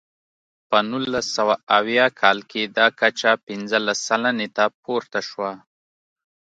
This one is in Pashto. په نولس سوه اویا کال کې دا کچه پنځلس سلنې ته پورته شوه.